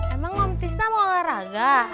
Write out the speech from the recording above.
emang om tisna mau olahraga